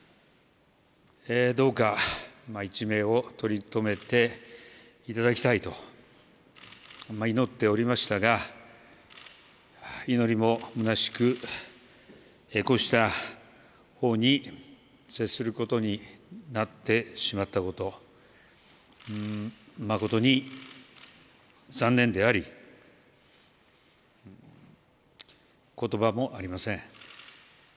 どうか一命を取り留めていただきたいと祈っておりましたが、祈りもむなしく、こうした報に接することになってしまったこと、誠に残念であり、ことばもありません。